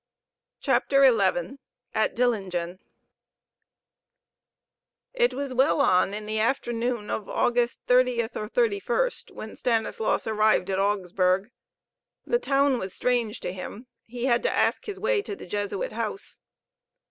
CHAPTER XI AT DILLIGEN It was well on in the afternoon of August 30th or 31st when Stanislaus arrived at Augsburg. The town was strange to him. He had to ask his way to the Jesuit house.